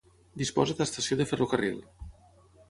Disposa d'estació de ferrocarril.